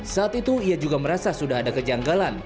saat itu ia juga merasa sudah ada kejanggalan